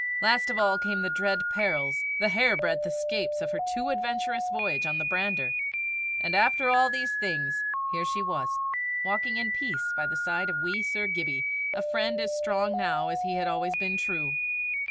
Last of all came the dread perils, the hairbreadth escapes of her too adventurous voyage on the brander; and after all these things, here she was, walking in peace by the side of wee Sir Gibbie, a friend as strong now as he had always been true!